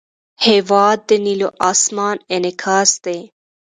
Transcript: هېواد د نیلو آسمان انعکاس دی.